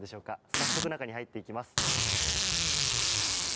早速、中に入っていきます。